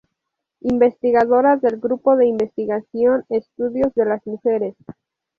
Investigadora del Grupo de Investigación Estudios de las Mujeres.